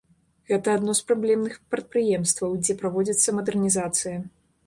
Гэта адно з праблемных прадпрыемстваў, дзе праводзіцца мадэрнізацыя.